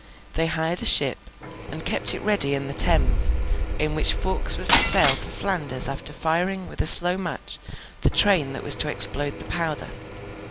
They hired a ship, and kept it ready in the Thames, in which Fawkes was to sail for Flanders after firing with a slow match the train that was to explode the powder.